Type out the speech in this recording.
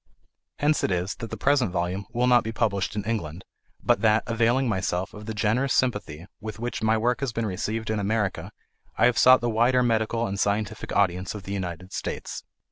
Hence it is that the present volume will not be published in England, but that, availing myself of the generous sympathy with which my work has been received in America, I have sought the wider medical and scientific audience of the United States.